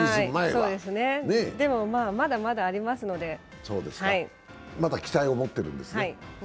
でも、まだまだありますので、まだ期待を持っております。